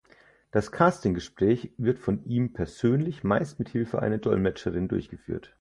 Das Casting-Gespräch wird von ihm persönlich, meist mit Hilfe einer Dolmetscherin, durchgeführt.